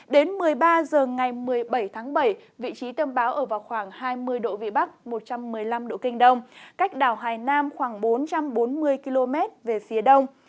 đến một mươi ba h ngày một mươi bảy tháng bảy vị trí tâm bão ở vào khoảng hai mươi độ vị bắc một trăm một mươi năm độ kinh đông cách đảo hải nam khoảng bốn trăm bốn mươi km về phía đông